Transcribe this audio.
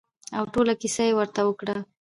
او ټوله کېسه يې ورته وکړه.